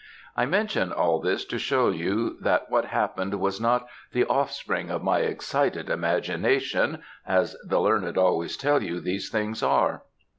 I mention all this to show you that what happened was not 'the offspring of my excited imagination,' as the learned always tell you these things are.